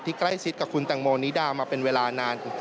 ใกล้ชิดกับคุณแตงโมนิดามาเป็นเวลานาน